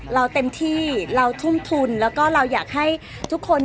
เราเต็มที่เราทุ่มทุนแล้วก็เราอยากให้ทุกคน